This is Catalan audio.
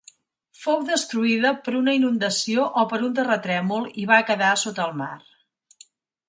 Fou destruïda per una inundació o per un terratrèmol i va quedar sota el mar.